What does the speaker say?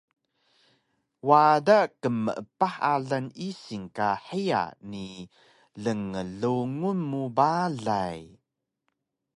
Wada qmeepah alang isil ka hiya ni lnglungun mu balay